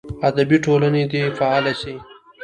ادبي ټولنې دې فعاله سي.